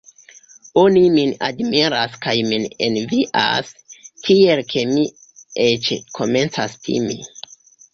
Oni min admiras kaj min envias, tiel ke mi eĉ komencas timi.